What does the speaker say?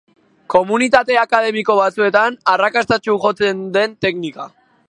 Komunitate akademiko batzuetan arrakastatsu jotzen den teknika.